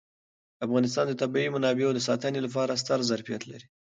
افغانستان د طبیعي منابعو د ساتنې لپاره ستر ظرفیت لري.